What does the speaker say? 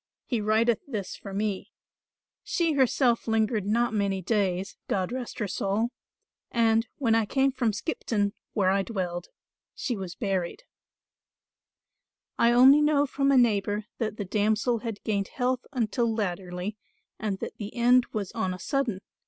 He writeth this for me. She herself lingered not many days, God rest her soul, and, when I came from Skipton, where I dwelled, she was buried. "I only know from a neighbour that the damsel had gained health until latterly and that the end was on a sudden.